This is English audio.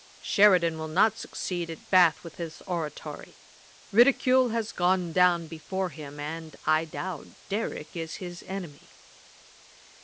'Sheridan will not succeed at Bath with his oratory. Ridicule has gone down before him, and, I doubt, Derrick is his enemy.'